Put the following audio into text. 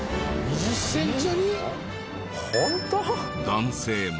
男性も。